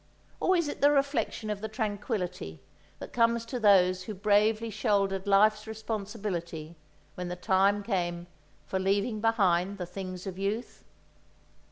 Or is it the reflection of the tranquillity that comes to those who bravely shouldered life's responsibility when the time came for leaving behind the things of youth?